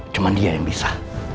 cuma dia yang bisa